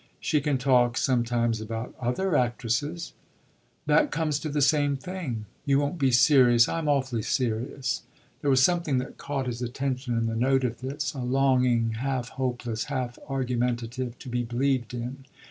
"She can talk sometimes about other actresses." "That comes to the same thing. You won't be serious. I'm awfully serious." There was something that caught his attention in the note of this a longing half hopeless, half argumentative to be believed in.